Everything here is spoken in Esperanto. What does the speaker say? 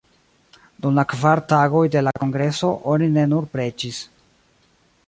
Dum la kvar tagoj de la kongreso oni ne nur preĝis.